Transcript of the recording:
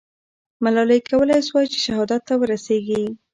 ملالۍ کولای سوای چې شهادت ته ورسېږي.